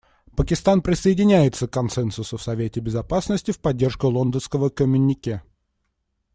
Пакистан присоединяется к консенсусу в Совете Безопасности в поддержку Лондонского коммюнике.